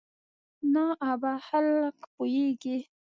نه ابا خلک پوېېږي.